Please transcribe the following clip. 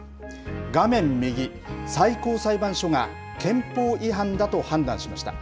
画面右、最高裁判所が憲法違反だと判断しました。